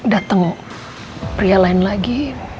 dateng pria lain lagi